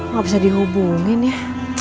gak bisa dihubungin ya